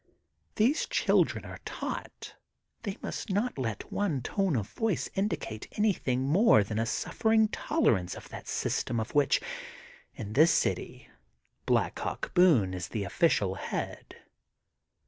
These children are taught they must not let one tone of voice indicate anything more than a suffering tolerance of that system of which, in this city, Black Hawk Boone is the official head.